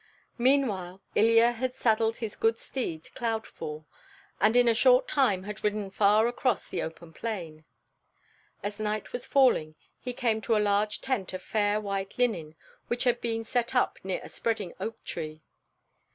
Meanwhile Ilya had saddled his good steed Cloudfall, and in a short time had ridden far across the open plain. As night was falling he came to a large tent of fair white linen which had been set up near a spreading oak tree.